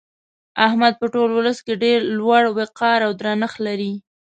احمد په ټول ولس کې ډېر لوی وقار او درنښت لري.